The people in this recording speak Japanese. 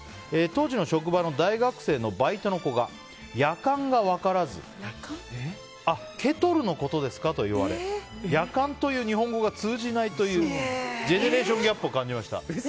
当時の職場の大学生のバイトの子が、やかんが分からずケトルのことですかと言われやかんという日本語が通じないというジェネレーションギャップを感じました。